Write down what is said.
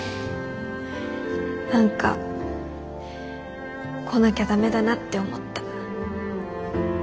何か来なきゃ駄目だなって思った。